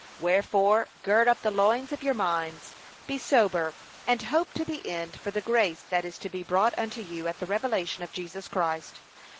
Wherefore gird up the loins of your minds, be sober, and hope to the ene for the grace that is to be brought unto you at the revelation of Jesus Christ.